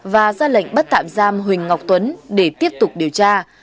và ra lệnh bắt tạm giam huỳnh ngọc tuấn để tiếp tục điều tra